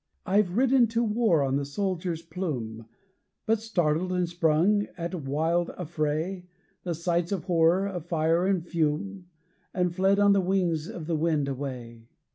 I've ridden to war on the soldier's plume; But startled and sprung, at the wild affray, The sights of horror of fire and fume; And fled on the wings of the wind away.